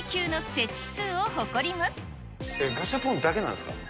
ガシャポンだけなんですか？